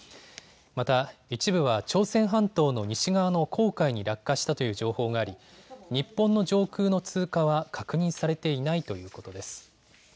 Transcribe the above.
また一部は朝鮮半島の西側の黄海に落下したという情報があり日本の上空の通過は確認されていないということです。